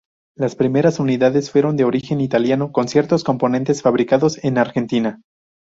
Las primeras unidades, fueron de origen italiano con ciertos componentes fabricados en Argentina.